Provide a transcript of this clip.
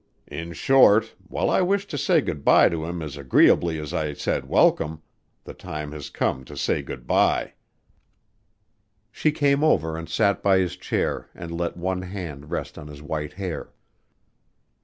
In short, while I wish to say good by to him as agreeably as I said welcome, the time has come to say good by." She came over and sat by his chair and let one hand rest on his white hair.